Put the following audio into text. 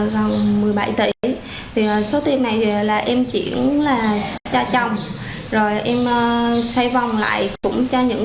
rồi một phần dư là em sử dụng cho việc cá nhân